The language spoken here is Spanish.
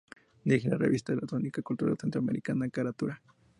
Dirige la revista electrónica cultural centroamericana "Carátula".